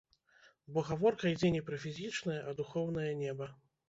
Бо гаворка ідзе не пра фізічнае, а духоўнае неба.